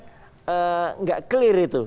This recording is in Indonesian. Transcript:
tidak clear itu